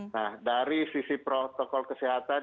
nah dari sisi protokol kesehatan